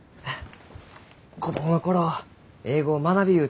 子供の頃英語を学びゆう